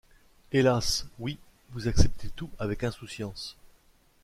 Hélas! oui, vous acceptez tout avec insouciance.